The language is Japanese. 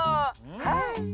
はい。